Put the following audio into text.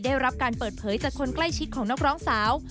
ได้รับการเปิดเผยจากคนใกล้ชิดของนักร้องสาว